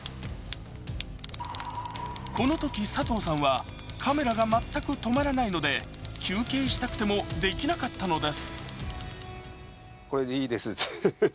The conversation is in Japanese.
このとき佐藤さんはカメラが全く止まらないので休憩したくてもできなかったのです。